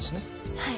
はい。